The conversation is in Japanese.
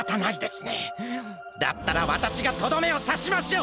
だったらわたしがとどめをさしましょう！